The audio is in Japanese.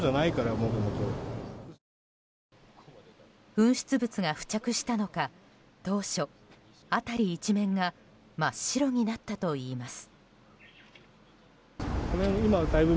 噴出物が付着したのか当初、辺り一面が真っ白になったといいます。